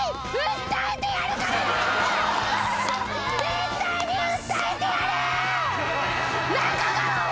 絶対に訴えてやる！